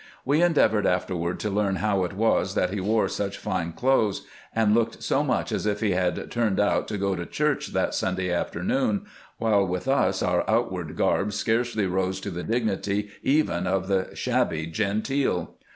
"We endeavored afterward to learn how it was that he wore such fine clothes, and looked so much as if he had turned out to go to church that Sunday afternoon, while with us our outward garb scarcely rose to the dignity even of the " shabby genteel."